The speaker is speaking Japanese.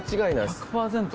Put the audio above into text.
１００％。